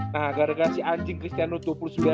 nah gara gara si anjing christian wood